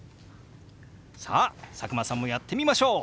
さあ佐久間さんもやってみましょう！